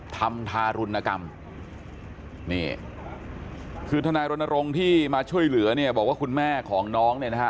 ทารุณกรรมนี่คือทนายรณรงค์ที่มาช่วยเหลือเนี่ยบอกว่าคุณแม่ของน้องเนี่ยนะฮะ